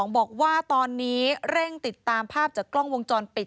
บอกว่าตอนนี้เร่งติดตามภาพจากกล้องวงจรปิด